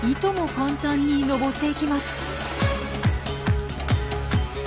簡単に上っていきます。